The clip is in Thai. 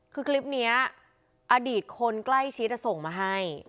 คือคลิปนี้อดีตคนใกล้ชิดส่งมาให้